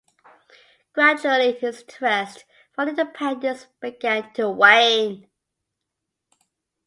Gradually his interest for independence began to wane.